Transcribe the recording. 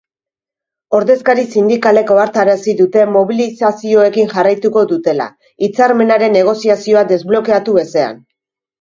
Ordezkari sindikalek ohartarazi dute mobilizazioekin jarraituko dutela, hitzarmenaren negoziazioa desblokeatu ezean.